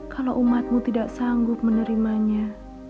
kalau umatmu tidak sanggup menerimanya